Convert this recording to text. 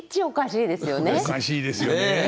おかしいですよね。